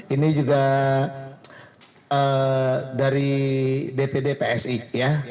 ini juga dari dpd psi ya